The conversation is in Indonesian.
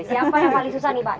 siapa yang paling susah nih pak